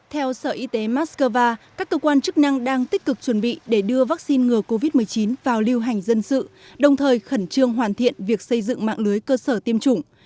theo sở y tế moscow các cơ quan chức năng đang tích cực chuẩn bị để đưa vaccine ngừa covid một mươi chín vào lưu hành dân sự đồng thời khẩn trương hoàn thiện việc sử dụng